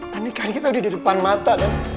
pernikahannya kita udah di depan mata dan